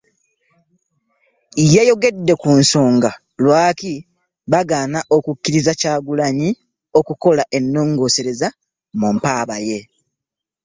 Yayogedde ku nsonga lwaki baagana okukkiriza Kyagulanyi okukola ennongoosereza mu mpaaba ye